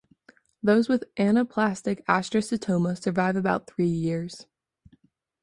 Those with anaplastic astrocytoma survive about three years.